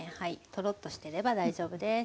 トロッとしてれば大丈夫です。